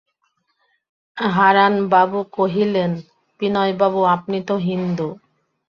হারানবাবু কহিলেন, বিনয়বাবু, আপনি তো হিন্দু?